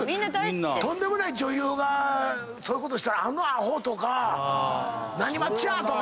とんでもない女優がそういうことしたら「あのアホ」とか「何待ちや⁉」とか。